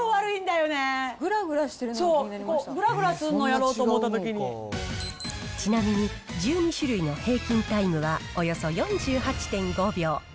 ぐらぐらしてるのが気になりぐらぐらするの、やろうと思ちなみに、１２種類の平均タイムはおよそ４８．５秒。